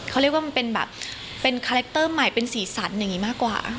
เขาเรียกว่ามันเป็นแบบเป็นคาแรคเตอร์ใหม่เป็นสีสันอย่างนี้มากกว่า